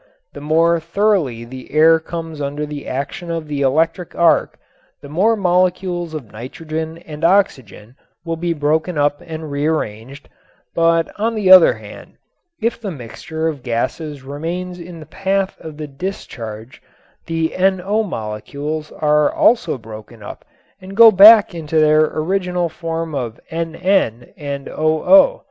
The more thoroughly the air comes under the action of the electric arc the more molecules of nitrogen and oxygen will be broken up and rearranged, but on the other hand if the mixture of gases remains in the path of the discharge the NO molecules are also broken up and go back into their original form of NN and OO.